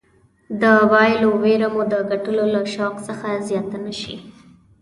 د بایللو ویره مو د ګټلو له شوق څخه زیاته نه شي.